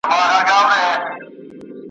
زما چي ژوند په یاد دی د شېبو غوندي تیریږي ,